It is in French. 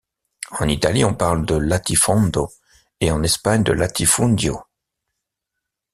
En Italie, on parle de latifondo et en Espagne de latifundio.